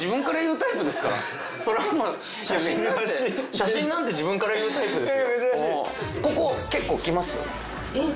写真なんて自分から言うタイプですよ。